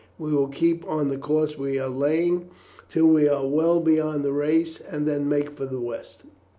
We will keep on the course we are laying till we are well beyond the race, and then make for the west.